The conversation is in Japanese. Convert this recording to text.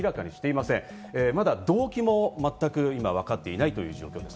まだ動機も全く今分かっていない状況です。